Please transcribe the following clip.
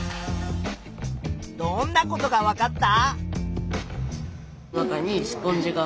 どんなことがわかった？